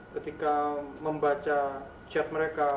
ketika membaca chat mereka